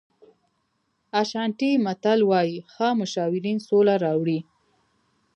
اشانټي متل وایي ښه مشاورین سوله راوړي.